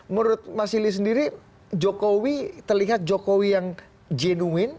menurut mas ili sendiri jokowi terlihat jokowi yang jenuin